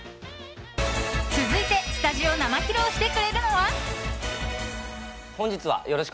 続いてスタジオ生披露してくれるのは。